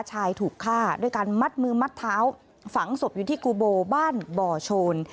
ถูกฆ่าด้วยการมัดมือมัดเท้าฝังศพอยู่ที่กูโบบ้านบ่อโชน